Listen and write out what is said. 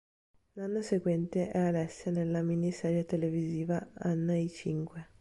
L'anno seguente è Alessia nella miniserie televisiva "Anna e i cinque".